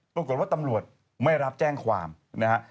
ปรากฏว่าตำรวจไม่รับแจ้งความนะฮะ